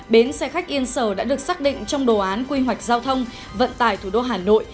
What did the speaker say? bến xe khách yên sở đã được xác định trong đồ án quy hoạch giao thông vận tải thủ đô hà nội